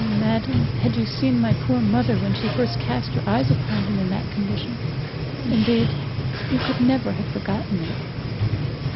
Oh madam, had you seen my poor mother when she first cast her eyes upon him in that condition! indeed you could never have forgotten it!"